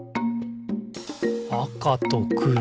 「あかとくろ」